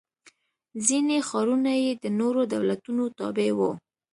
ځیني ښارونه یې د نورو دولتونو تابع و.